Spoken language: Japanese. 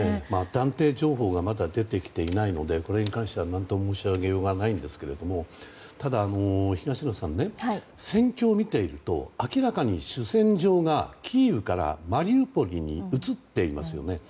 断定状況がまだ出てきていないのでこれに関しては、何とも申し上げようがないんですがただ、東野さん戦況を見ていると明らかに主戦場がキーウからマリウポリに移っていますよね。